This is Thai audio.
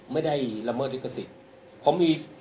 ไม่ได้ละเมิดลิขสิทธิ์